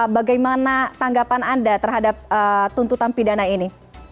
bagaimana tanggapan anda terhadap tuntutan pidana ini